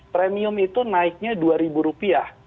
premium itu naiknya rp dua